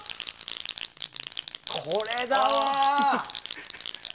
これだわ！